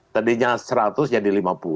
tadinya seratus jadi lima puluh